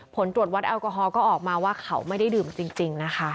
ผลตรวจวัดแอลกอฮอลก็ออกมาว่าเขาไม่ได้ดื่มจริงนะคะ